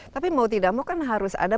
tapi mau tidak mau kan harus ada